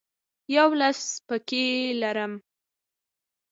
یو لفظ پکښې کرم